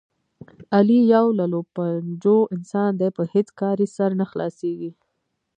علي یو للوپنجو انسان دی، په هېڅ کار یې سر نه خلاصېږي.